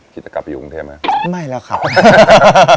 คิดจะกลับไปอยู่กรุงเทพฯไหมครับไม่แล้วครับฮ่า